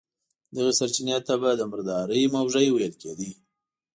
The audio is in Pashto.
دغې سرچينې ته به د مردارۍ موږی ويل کېدی.